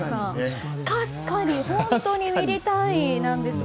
かすかに本当にミリ単位なんですが。